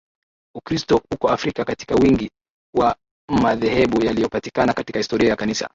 Ukristo uko Afrika katika wingi wa madhehebu yaliyopatikana katika historia ya Kanisa